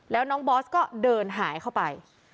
แล้วน้องบอสก็เดินหายเข้าไป